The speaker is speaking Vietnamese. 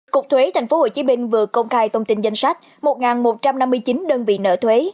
cục thuế tp hcm vừa công khai tông tin danh sách một một trăm năm mươi chín đơn vị nợ thuế